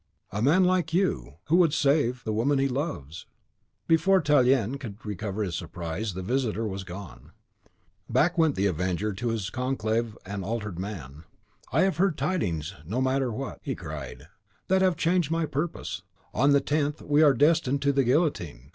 "A man like you, who would save the woman he loves." Before Tallien could recover his surprise, the visitor was gone. Back went the Avenger to his conclave an altered man. "I have heard tidings, no matter what," he cried, "that have changed my purpose. On the 10th we are destined to the guillotine.